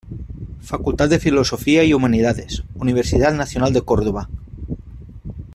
Facultad de Filosofía y Humanidades, Universidad Nacional de Córdoba.